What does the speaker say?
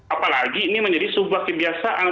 apalagi ini menjadi sebuah kebiasaan